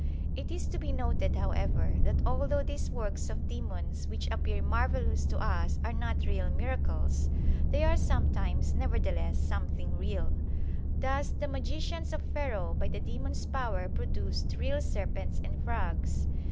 It is to be noted, however, that although these works of demons which appear marvelous to us are not real miracles, they are sometimes nevertheless something real. Thus the magicians of Pharaoh by the demons' power produced real serpents and frogs.